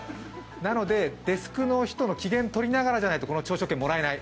なので、デスクの人の機嫌とりながらでないとこの朝食券もらえない。